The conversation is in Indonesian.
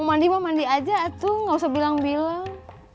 mau mandi mau mandi aja tuh nggak usah bilang bilang